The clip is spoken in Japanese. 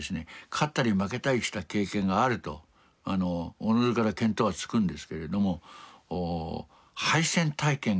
勝ったり負けたりした経験があるとおのずから見当はつくんですけれども敗戦体験がないからですね